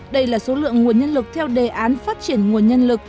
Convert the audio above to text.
đây là số lượng nguồn nhân lực theo đề án phát triển nguồn nhân lực